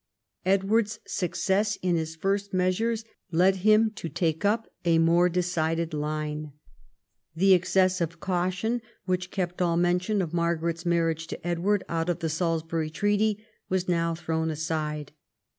Edward's success in his first measures led him to take up a more decided line. The excessive caution which kept all mention of Margaret's marriage to Edward out of the Salisbury treaty was now thrown aside.